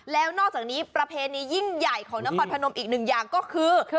แล้วนอกจากนี้ประเพณียิ่งใหญ่ของนครพนมอีกหนึ่งอย่างก็คือ